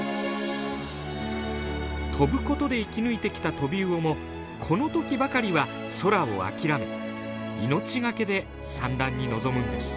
飛ぶことで生き抜いてきたトビウオもこの時ばかりは空を諦め命懸けで産卵に臨むんです。